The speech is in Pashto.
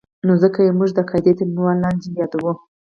نو ځکه یې موږ د قاعدې تر عنوان لاندې یادوو.